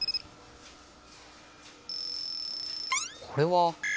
これは。